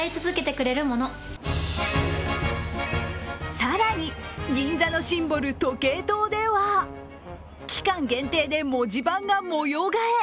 更に、銀座のシンボル、時計塔では期間限定で文字盤が模様替え。